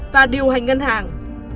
và điều hành ngân hàng